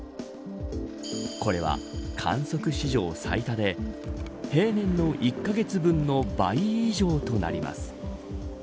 これは、観測史上最多で平年の１カ月分の倍以上となります。